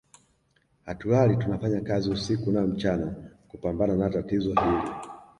Hatulali tunafanya kazi usiku na mchana kupambana na tatizo hili